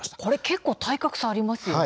結構、体格差ありますよね。